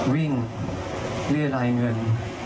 วิ่งเลื่อรายเงิน